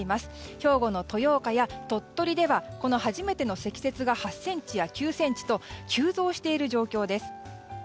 兵庫の豊岡や鳥取ではこの初めての積雪が８ｃｍや９ｃｍと急増している状況です。